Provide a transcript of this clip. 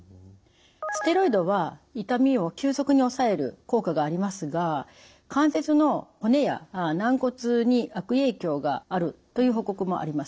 ステロイドは痛みを急速におさえる効果がありますが関節の骨や軟骨に悪影響があるという報告もあります。